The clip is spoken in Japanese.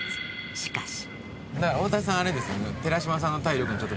しかし。